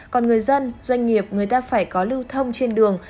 còn người dân doanh nghiệp người ta phải có lưu thông trên đường